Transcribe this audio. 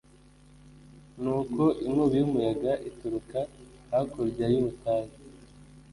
nuko inkubi y'umuyaga ituruka hakurya y'ubutayu